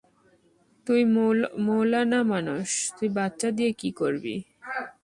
তুই মৌলানা মানুষ, তুই বাচ্চা দিয়া কী করবি?